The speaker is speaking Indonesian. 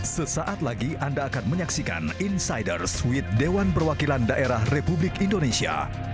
sesaat lagi anda akan menyaksikan insiders with dewan perwakilan daerah republik indonesia